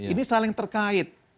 ini saling terkait